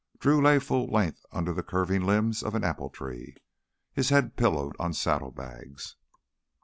Drew lay full length under the curving limbs of an apple tree, his head pillowed on saddlebags.